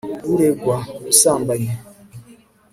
uregwa ubusambanyi